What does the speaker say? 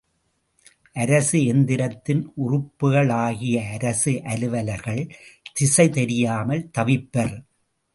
அரசு எந்திரத்தின் உறுப்புக்களாகிய அரசு அலுவலர்கள் திசை தெரியாமல் தவிப்பர்.